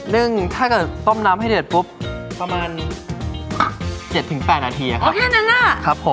ถ้าเกิดต้มน้ำให้เดือดปุ๊บประมาณ๗๘นาทีครับก็แค่นั้นอ่ะครับผม